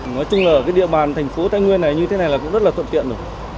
nói chung là địa bàn thành phố thái nguyên này như thế này cũng rất là thuận tiện